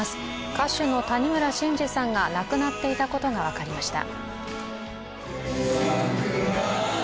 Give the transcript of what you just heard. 歌手の谷村新司さんが亡くなっていたことが分かりました。